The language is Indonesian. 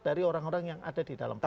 dari orang orang yang ada di dalam kpk